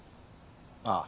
ああ。